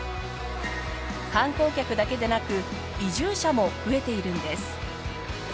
観光客だけでなく移住者も増えているんです。